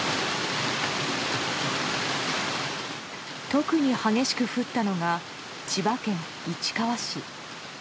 特に激しく降ったのが千葉県市川市。